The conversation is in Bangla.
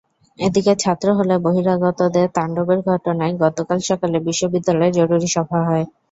এদিকে ছাত্র হলে বহিরাগতদের তাণ্ডবের ঘটনায় গতকাল সকালে বিশ্ববিদ্যালয়ে জরুরি সভা হয়।